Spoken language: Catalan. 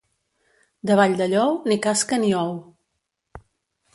De Valldellou, ni casca ni ou.